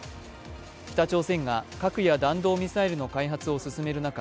北朝鮮が核や弾道ミサイルの開発を進める中